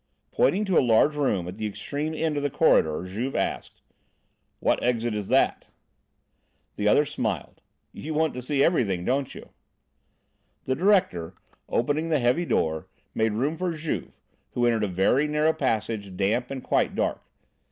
Pointing to a large door at the extreme end of the corridor, Juve asked: "What exit is that?" The other smiled. "You want to see everything, don't you?" The director, opening the heavy door, made room for Juve, who entered a very narrow passage, damp and quite dark.